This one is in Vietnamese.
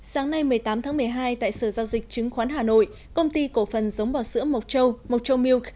sáng nay một mươi tám tháng một mươi hai tại sở giao dịch chứng khoán hà nội công ty cổ phần giống bò sữa mộc châu